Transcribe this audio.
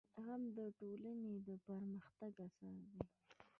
• علم د ټولنې د پرمختګ اساس دی.